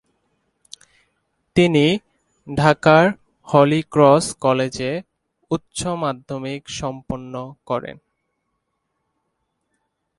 তিনি ঢাকার হলিক্রস কলেজে উচ্চ মাধ্যমিক সম্পন্ন করেন।